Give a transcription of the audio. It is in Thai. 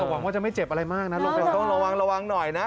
มากว่าจะไม่เจ็บอะไรมากนะต้องระวังหน่อยนะ